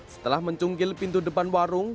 setelah mencunggil pintu depan warung